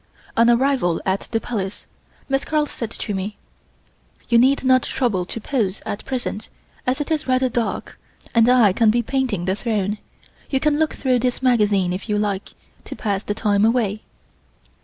On arrival at the Palace, Miss Carl said to me: "You need not trouble to pose at present, as it is rather dark, and I can be painting the throne; you can look through this magazine, if you like, to pass the time away."